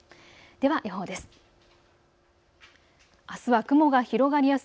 では予報です。